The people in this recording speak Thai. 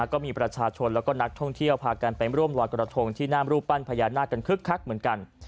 ก็มีประชาชนแล้วก็นักท่องเที่ยวพากันไปร่วมลอยกระทงที่หน้ามรูปปั้นพญานาคกันคึกคักเหมือนกัน